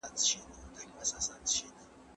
مذهب د خلګو ژوند ته لارښوونه کوي.